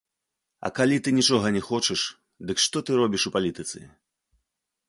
А калі ты нічога не хочаш, дык што ты робіш у палітыцы?